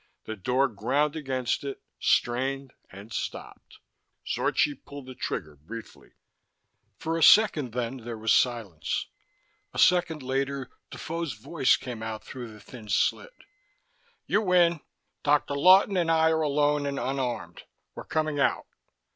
The door ground against it, strained and stopped. Zorchi pulled the trigger briefly. For a second, then, there was silence. A second later, Defoe's voice came out through the thin slit. "You win. Dr. Lawton and I are alone and unarmed. We're coming out."